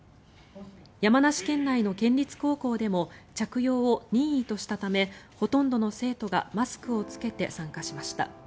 山梨県内の県立高校でも着用を任意としたためほとんどの生徒がマスクを着けて参加しました。